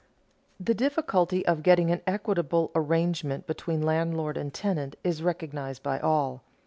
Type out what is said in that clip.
The difficulty of getting an equitable arrangement between landlord and tenant is recognized by all.